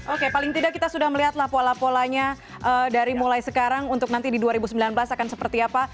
oke paling tidak kita sudah melihatlah pola polanya dari mulai sekarang untuk nanti di dua ribu sembilan belas akan seperti apa